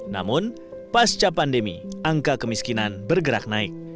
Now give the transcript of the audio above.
namun pasca pandemi angka kemiskinan bergerak naik